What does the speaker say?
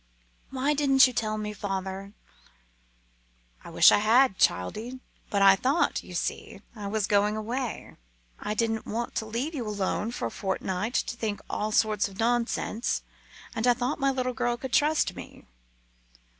"Why didn't you tell me, father?" "I wish I had, childie; but I thought you see I was going away I didn't want to leave you alone for a fortnight to think all sorts of nonsense. And I thought my little girl could trust me."